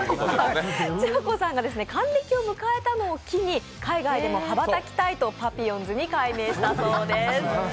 蝶子さんが還暦を迎えたのを機に、海外でも羽ばたきたいとパピヨンズに改名したそうです。